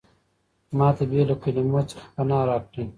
ما ته بې له کلمو څخه پناه راکړه.